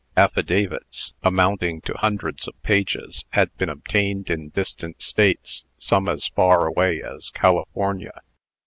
Affidavits, amounting to hundreds of pages, had been obtained in distant States some as far away as California.